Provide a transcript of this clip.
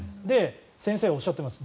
先生がおっしゃっています。